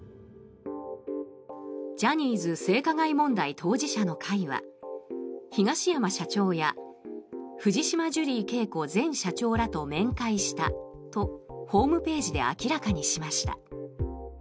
ジャニーズ性加害問題当事者の会は東山社長や藤島ジュリー景子前社長らと面会したとホームページで明らかにしました。